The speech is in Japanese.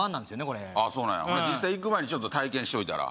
これそうなんやほな実際行く前にちょっと体験しといたら？